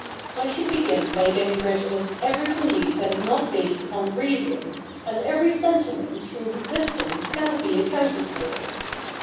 I should begin by getting rid of every belief that is not based upon reason, and every sentiment whose existence cannot be accounted for.'